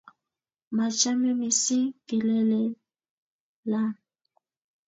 Machame mising keng'alalena.